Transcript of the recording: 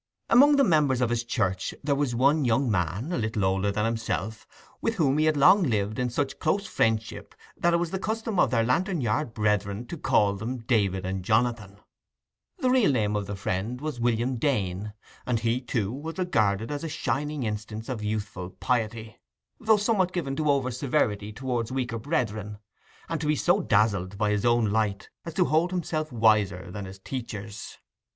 Among the members of his church there was one young man, a little older than himself, with whom he had long lived in such close friendship that it was the custom of their Lantern Yard brethren to call them David and Jonathan. The real name of the friend was William Dane, and he, too, was regarded as a shining instance of youthful piety, though somewhat given to over severity towards weaker brethren, and to be so dazzled by his own light as to hold himself wiser than his teachers.